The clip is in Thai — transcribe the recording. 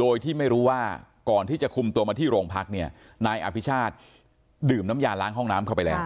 โดยที่ไม่รู้ว่าก่อนที่จะคุมตัวมาที่โรงพักเนี่ยนายอภิชาติดื่มน้ำยาล้างห้องน้ำเข้าไปแล้ว